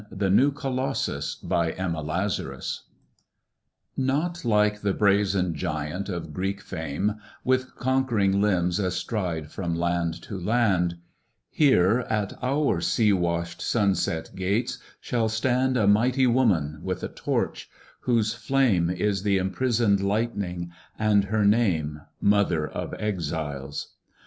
THE NEW COLOSSUS.* Not like the brazen giant of Greek fame, With conquering limbs astride from land to land; Here at our sea washed, sunset gates shall stand A mighty woman with a torch, whose flame Is the imprisoned lightning, and her name Mother of Exiles.